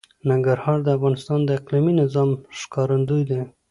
ننګرهار د افغانستان د اقلیمي نظام ښکارندوی ده.